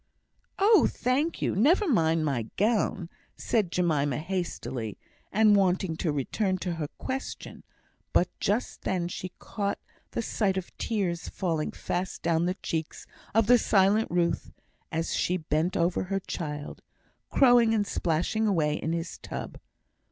"Oh, thank you! Never mind my gown!" said Jemima, hastily, and wanting to return to her question; but just then she caught the sight of tears falling fast down the cheeks of the silent Ruth as she bent over her child, crowing and splashing away in his tub.